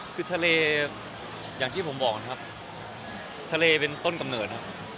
คือทะเลอย่างที่ผมบอกนะครับทะเลเป็นต้นกำเนิดครับ